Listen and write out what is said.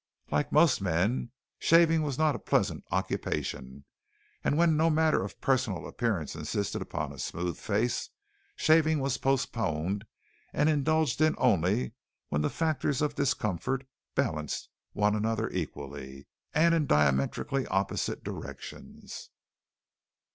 Like most men, shaving was not a pleasant occupation, and when no matter of personal appearance insisted upon a smooth face, shaving was postponed and indulged in only when the factors of discomfort balanced one another equally and in diametrically opposite directions.